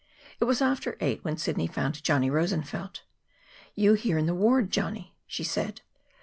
It was after eight when Sidney found Johnny Rosenfeld. "You here in the ward, Johnny!" she said.